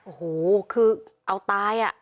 โอ้โหคือเอาตายอ่ะ